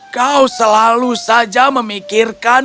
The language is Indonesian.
kau selalu saja memikirkan